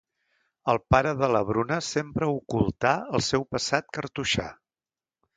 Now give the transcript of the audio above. El pare de la Bruna sempre ocultà el seu passat cartoixà.